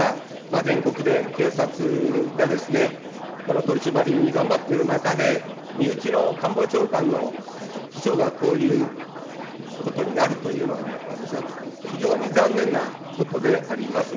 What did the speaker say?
全国で警察がこの取締りに頑張っている中で、身内の官房長官の秘書がこういうことになるというのはね、私は非常に残念なことであります。